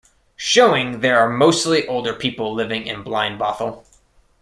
Showing there are mostly older people living in Blindbothel.